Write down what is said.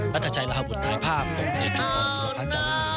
นัทชัยราวบุตรถ่ายภาพหลวงเด็ดจุภาพสุนภาคเจ้าหน้า